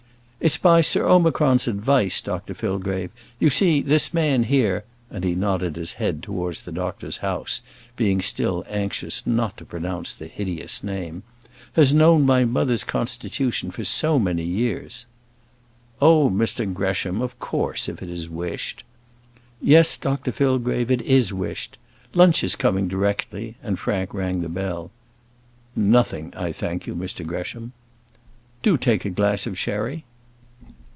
"It's by Sir Omicron's advice, Dr Fillgrave. You see, this man here" and he nodded his head towards the doctor's house, being still anxious not to pronounce the hideous name "has known my mother's constitution for so many years." "Oh, Mr Gresham; of course, if it is wished." "Yes, Dr Fillgrave, it is wished. Lunch is coming directly:" and Frank rang the bell. "Nothing, I thank you, Mr Gresham." "Do take a glass of sherry."